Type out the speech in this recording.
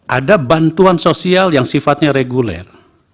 ada bantuan sosial yang sifatnya reguler